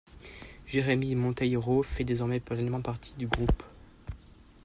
Jérémy Monteiro fait désormais pleinement partie du groupe.